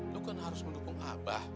lu kan harus mendukung abah